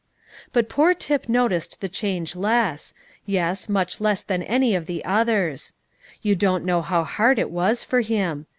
But poor Tip noticed the change less, yes, much less than any of the others. You don't know how hard it was for him.